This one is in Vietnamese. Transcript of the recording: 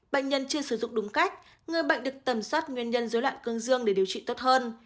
bệnh nhân chưa sử dụng đúng cách người bệnh được tầm soát nguyên nhân dối loạn cương dương để điều trị tốt hơn